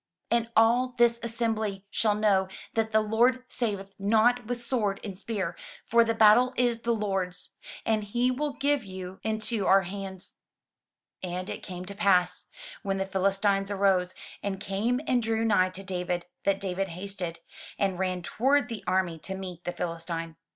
And all this assembly shall know that the Lord saveth not with sword and spear: for the battle is the Lord's, and he will give you into our hands." And it came to pass, when the Philistine arose, and came and drew nigh to David, that David hasted, and ran toward the army to meet the Philistine.